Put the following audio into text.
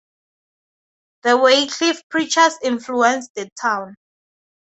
The Wycliffe preachers influenced the town.